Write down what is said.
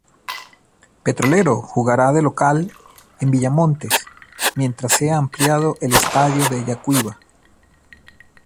Petrolero jugará de local en Villamontes mientras sea ampliado el estadio de Yacuiba.